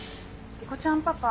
莉子ちゃんパパ